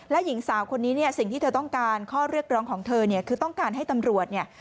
และหญิงสาวคนนี้เนี่ยสิ่งที่เธอต้องการข้อเรียกร้องของเธอเนี่ยคือต้องการให้ตำรวจเนี่ย